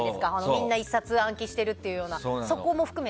みんな１冊暗記してるっていうような。